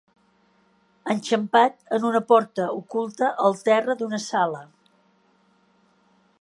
Enxampat en una porta oculta al terra d'una sala.